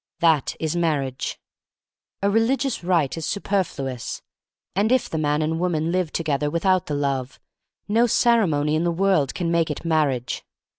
That is mar riage. A religious rite is superfluous. And if the man and woman live to gether without the love, no ceremony in the world can make it marriage.